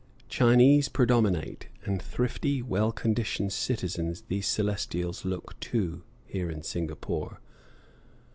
Chinese predominate, and thrifty, well conditioned citizens these Celestials look, too, here in Singapore.